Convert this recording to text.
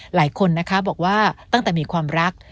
หลายคนนะคะบอกว่าตั้งแต่มีความรัก